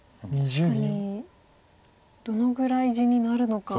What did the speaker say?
確かにどのぐらい地になるのか。